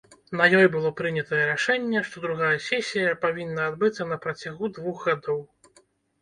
На ёй было прынятае рашэнне, што другая сесія павінна адбыцца на працягу двух гадоў.